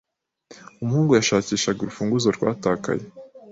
Umuhungu yashakishaga urufunguzo rwatakaye.